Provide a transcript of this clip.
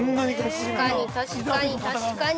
◆確かに確かに確かに。